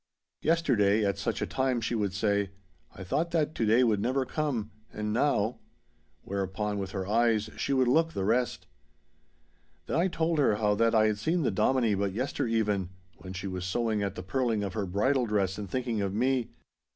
'Yesterday, at such a time,' she would say, 'I thought that to day would never come. And now—' Whereupon with her eyes she would look the rest. Then I told her how that I had seen the Dominie but yestereven, when she was sewing at the pearling of her bridal dress and thinking of me.